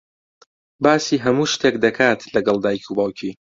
باسی هەموو شتێک دەکات لەگەڵ دایک و باوکی.